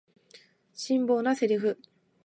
辛辣なセリフ